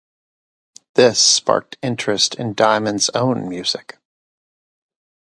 This sparked interest in Diamond's own music.